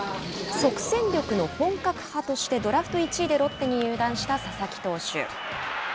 即戦力の本格派としてドラフト１位でロッテに入団した佐々木投手。